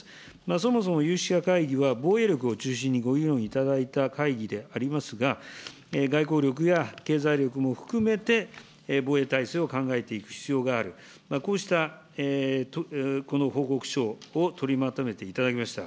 そもそも有識者会議は、防衛力を中心にご議論いただいた会議でありますが、外交力や経済力も含めて、防衛体制を考えていく必要がある、こうしたこの報告書を取りまとめていただきました。